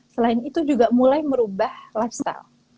selain itu juga mulai merubah lifestyle